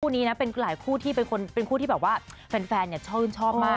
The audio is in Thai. คู่นี้นะเป็นหลายคู่ที่แบบว่าแฟนชอบมาก